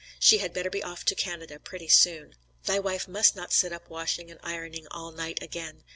She had better be off to Canada pretty soon. Thy wife must not sit up washing and ironing all night again.